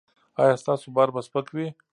ایا ستاسو بار به سپک وي؟